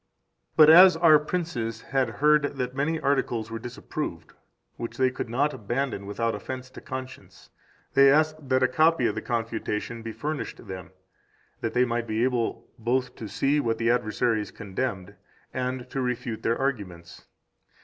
2 But as our princes had heard that many articles were disapproved, which they could not abandon without offense to conscience, they asked that a copy of the Confutation be furnished them, that they might be able both to see what the adversaries condemned, and to refute their arguments.